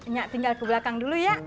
enggak tinggal ke belakang dulu ya